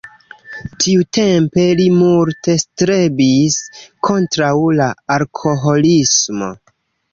Tiutempe li multe strebis kontraŭ la alkoholismo.